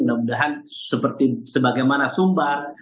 semoga seperti sebagaimana sumbar